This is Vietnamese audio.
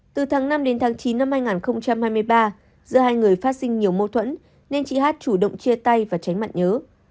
từ tháng năm đến tháng chín năm hai nghìn hai mươi ba giữa hai người phát sinh nhiều mâu thuẫn nên chị hát chủ động chia tay và tránh mặn nhớ